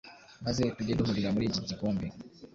maze tujye duhurira muri iki gikombe,